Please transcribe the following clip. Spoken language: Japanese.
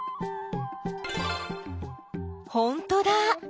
ほんとだ！